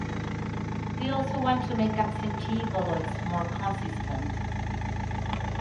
They also want to make absentee ballots more consistent.